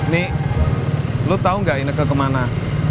nih lu tau ga ineke kemana